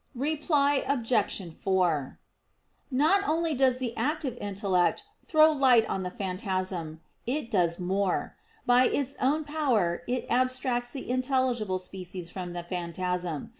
Reply Obj. 4: Not only does the active intellect throw light on the phantasm: it does more; by its own power it abstracts the intelligible species from the phantasm.